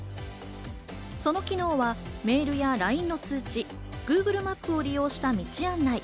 その機能がメールやＬＩＮＥの通知、Ｇｏｏｇｌｅマップを利用した道案内。